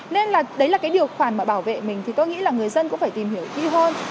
nên là đấy là cái điều khoản mà bảo vệ mình thì tôi nghĩ là người dân cũng phải tìm hiểu kỹ hơn